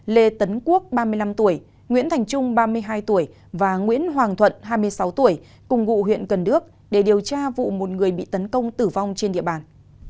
lê tấn quốc ba mươi năm tuổi nguyễn thành trung ba mươi hai tuổi và nguyễn hoàng thuận hai mươi sáu tuổi cùng ngụ huyện cần đước để điều tra vụ một người bị tấn công tử vong trên địa bàn